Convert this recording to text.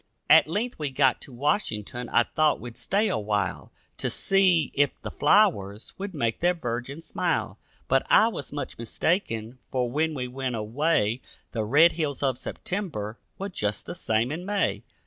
At length we got to Washington; I thought we'd stay a while To see if the flowers would make their virgin smile, But I was much mistaken, for when we went away The red hills of September were just the same in May.